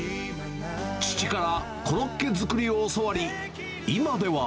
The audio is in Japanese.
父からコロッケ作りを教わり、今では。